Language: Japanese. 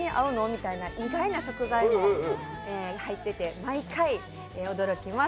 みたいな意外な食材も入ってて毎回、驚きます。